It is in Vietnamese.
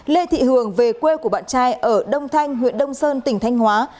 lê thị hường về quê của bạn trai ở đông thanh huyện đông sơn tỉnh thanh hóa